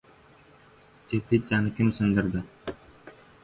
— Teplitsani kim sindirdi?